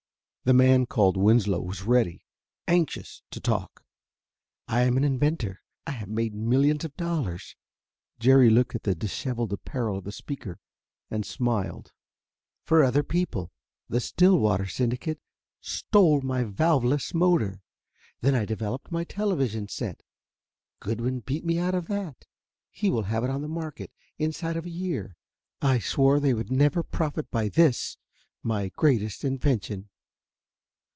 The man called Winslow was ready anxious to talk. "I am an inventor. I have made millions of dollars" Jerry looked at the disheveled apparel of the speaker and smiled "for other people. The Stillwater syndicate stole my valveless motor. Then I developed my television set. Goodwin beat me out of that: he will have it on the market inside of a year. I swore they should never profit by this, my greatest invention."